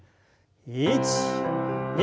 １２。